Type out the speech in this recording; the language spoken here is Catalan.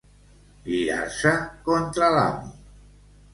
Girar-se contra l'amo.